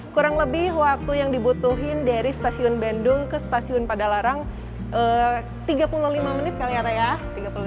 kurang lebih waktu yang dibutuhin dari stasiun bandung ke stasiun padalarang tiga puluh lima menit kali ya pak ya